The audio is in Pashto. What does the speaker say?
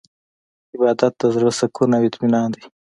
عبادت د زړه سکون او اطمینان دی.